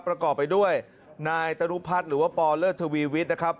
ประกอบไปด้วยนายตรุพัฒน์หรือว่าปอเลิศทวีวิทย์นะครับ